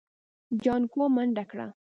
جانکو منډه کړه.